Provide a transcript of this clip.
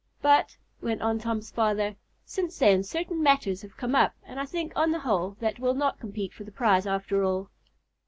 "But," went on Tom's father, "since then certain matters have come up, and I think, on the whole, that we'll not compete for the prize after all."